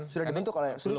sudah dibentuk oleh